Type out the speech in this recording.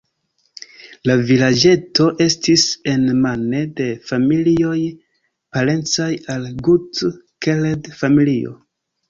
La vilaĝeto estis enmane de familioj, parencaj al Gut-Keled-familio.